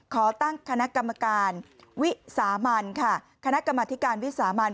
ขอตั้งคณะกรรมการวิสามันค่ะคณะกรรมธิการวิสามัน